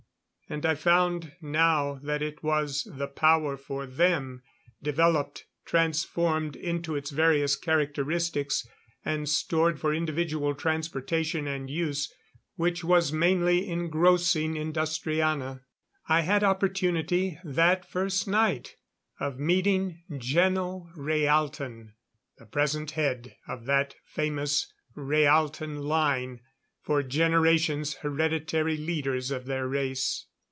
And I found now that it was the power for them, developed, transformed into its various characteristics and stored for individual transportation and use, which was mainly engrossing Industriana. I had opportunity, that first night, of meeting Geno Rhaalton the present head of that famous Rhaalton line, for generations hereditary leaders of their race.